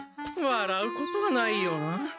わらうことはないよな。